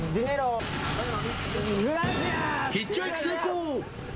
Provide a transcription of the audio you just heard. ヒッチハイク成功！